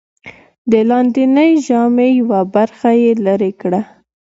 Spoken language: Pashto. د لاندېنۍ ژامې یوه برخه یې لرې کړه.